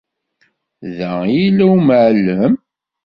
Da i yella umεellem?